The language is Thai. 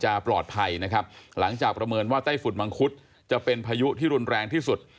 ปลอดภัยนะครับหลังจากประเมินว่าไต้ฝุ่นมังคุดจะเป็นพายุที่รุนแรงที่สุด